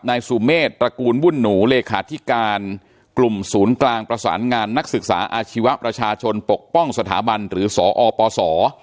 นายสุเมษตระกูลวุ่นหนูเลขาธิการกลุ่มศูนย์กลางประสานงานนักศึกษาอาชีวะประชาชนปกป้องสถาบันหรือสอปศ